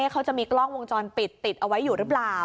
เขาจะมีกล้องวงจรปิดติดเอาไว้อยู่หรือเปล่า